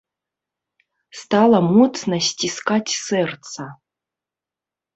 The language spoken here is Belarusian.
Стала моцна сціскаць сэрца.